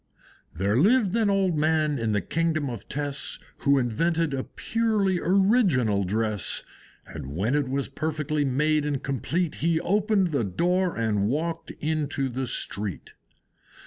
There lived an old man in the Kingdom of Tess, Who invented a purely original dress; And when it was perfectly made and complete, He opened the door and walked into the street.